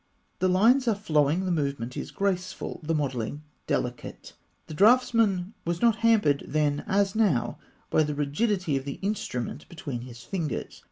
The lines are flowing, the movement is graceful, the modelling delicate. The draughtsman was not hampered then as now, by the rigidity of the instrument between his fingers.